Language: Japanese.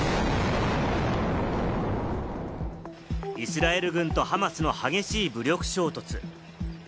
イスラエル軍とハマスの激しい武力衝突。